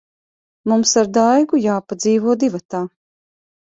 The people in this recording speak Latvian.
Mums ar Daigu jāpadzīvo divatā.